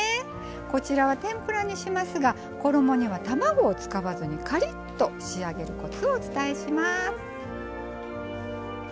こちらは天ぷらにしますが衣には卵を使わずにかりっと仕上げるコツをお伝えします。